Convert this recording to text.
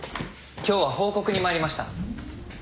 今日は報告に参りました。